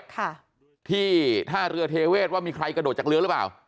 ค่ะที่ท่าเรือเทเวศว่ามีใครกระโดดจากเรือหรือเปล่า